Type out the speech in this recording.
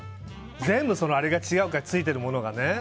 全部、あれが違うからついているものがね。